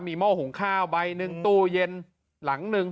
มีหม้อหุงข้าวใบหนึ่งตู้เย็นหลังหนึ่ง